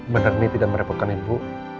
benar ini tidak merepotkan ibu